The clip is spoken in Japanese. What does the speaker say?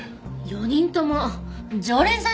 ４人とも常連さんですね。